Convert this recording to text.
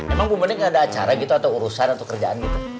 emang bener gak ada acara gitu atau urusan atau kerjaan gitu